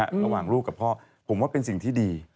ระหว่างลูกกับพ่อผมว่าเป็นสิ่งที่ดี